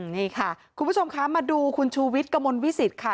นี่ค่ะคุณผู้ชมคะมาดูคุณชูวิทย์กระมวลวิสิตค่ะ